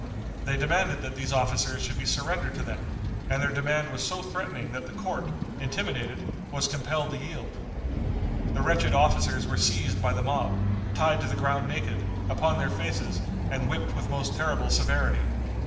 They demanded that these officers should be surrendered to them, and their demand was so threatening that the court, intimidated, was compelled to yield. The wretched officers were seized by the mob, tied to the ground naked, upon their faces, and whipped with most terrible severity.